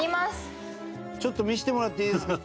ちょっと見せてもらっていいですか？